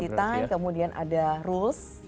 quality time kemudian ada rules